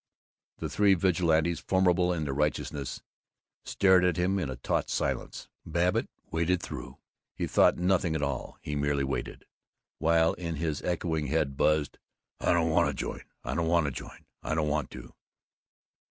The three Vigilantes, formidable in their righteousness, stared at him in a taut silence. Babbitt waited through. He thought nothing at all, he merely waited, while in his echoing head buzzed, "I don't want to join I don't want to join I don't want to."